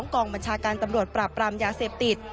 กองบัญชาการตำรวจปราบปรามยาเสพติด